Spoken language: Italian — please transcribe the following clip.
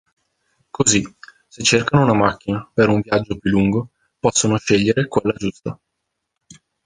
Così, se cercano una macchina per un viaggio più lungo, possono scegliere quella giusta.